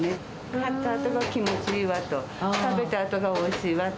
買ったあとが気持ちいいわと、食べたあとがおいしいわと。